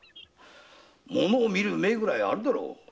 ものを見る目ぐらいあるだろう。